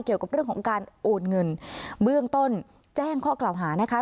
เกี่ยวกับเรื่องของการโอนเงินเบื้องต้นแจ้งข้อกล่าวหานะคะ